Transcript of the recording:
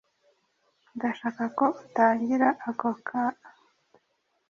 Ndashaka ko utangira ako kaa.